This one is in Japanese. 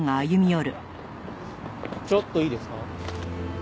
ちょっといいですか？